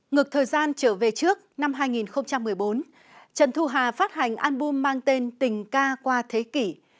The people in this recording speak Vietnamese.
ngược thời gian trở về trước năm hai nghìn một mươi bốn trần thu hà phát hành album mang tên tình ca qua thế kỷ